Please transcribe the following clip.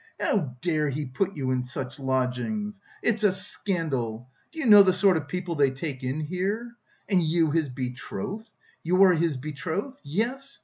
how dare he put you in such lodgings! It's a scandal! Do you know the sort of people they take in here? And you his betrothed! You are his betrothed? Yes?